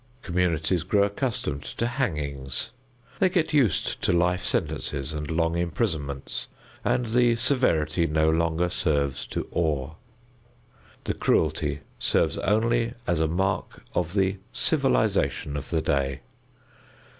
Communities grow accustomed to hangings; they get used to life sentences and long imprisonments and the severity no longer serves to awe. The cruelty serves only as a mark of the civilization of the day.